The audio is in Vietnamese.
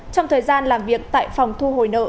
trong thời gian làm việc tại phòng thu hồi nợ